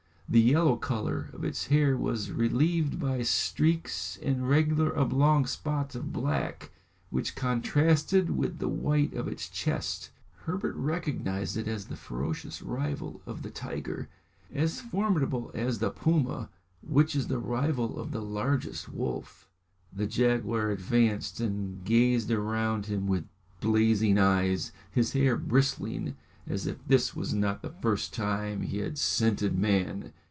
The yellow colour of its hair was relieved by streaks and regular oblong spots of black, which contrasted with the white of its chest. Herbert recognised it as the ferocious rival of the tiger, as formidable as the puma, which is the rival of the largest wolf! The jaguar advanced and gazed around him with blazing eyes, his hair bristling as if this was not the first time he had scented man.